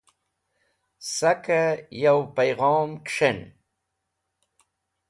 Sakẽ yo payghom kẽs̃hen.